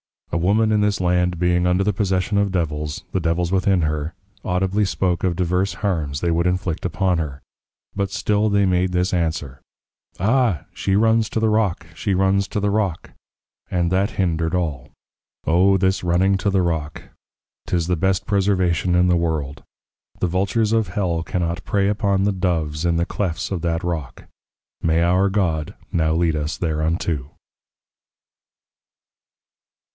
_ A Woman in this Land being under the Possession of Devils, the Devils within her, audibly spoke of diverse Harms they would inflict upon her; but still they made this answer, Ah! She Runs to the Rock! She Runs to the Rock! and that hindered all. O this Running to the Rock; 'tis the best Preservation in the World; the Vultures of Hell cannot prey upon the Doves in the Clefts of that Rock. May our God now lead us thereunto.